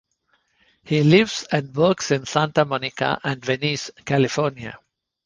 He lives and works in Santa Monica and Venice, California.